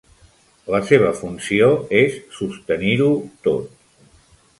La seva funció és sostenir-ho tot.